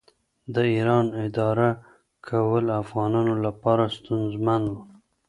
د ایران اداره کول افغانانو لپاره ستونزمن و.